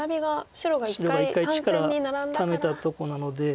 白が一回力ためたとこなので。